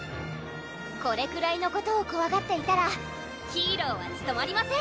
これくらいのことをこわがっていたらヒーローはつとまりません！